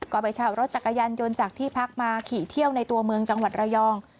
ก็ไปเช่ารถจักรยานยนต์จากที่พักมาขี่เที่ยวในตัวเมืองจังหวัดระยอง